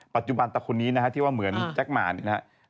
ปัจจุบันตะคนนี้นะฮะที่ว่าเหมือนแจ็คหมานนะครับ